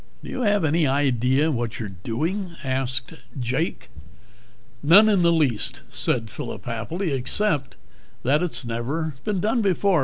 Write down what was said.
"Do you have any idea what you're doing?" asked Jake. "None in the least," said Phillip happily, "except that it's never been done before.